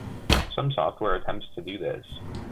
Some software attempts to do this.